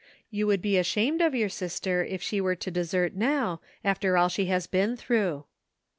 You would be ashamed of your sister if she were to desert now, after all she has been through."